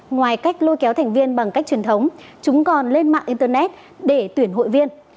ngoài cách lôi kéo thành viên bằng cách truyền thống chúng còn lên mạng internet để tuyển hội viên